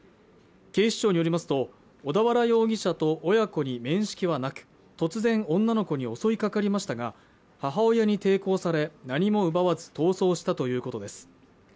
警視庁によりますと小田原容疑者と親子に面識はなく突然女の子に襲い掛かりましたが母親に抵抗され何も奪わず逃走したということです